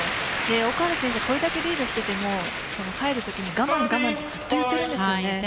奥原選手はこれだけリードしてても入るときに我慢とずっと言っているんです。